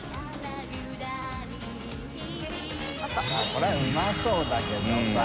これうまそうだけどさ。